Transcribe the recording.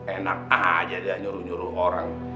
enak aja dia nyuruh nyuruh orang